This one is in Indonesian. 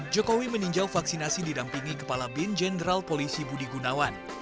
jokowi meninjau vaksinasi didampingi kepala bin jenderal polisi budi gunawan